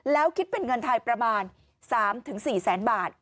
แล้วคิดเป็นเงินไทยประมาณ๓๔แสนบาท